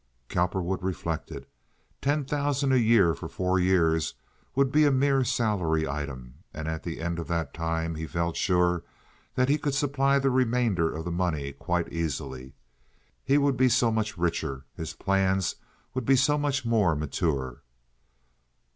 Cowperwood reflected. Ten thousand a year for four years would be a mere salary item, and at the end of that time he felt sure that he could supply the remainder of the money quite easily. He would be so much richer; his plans would be so much more mature.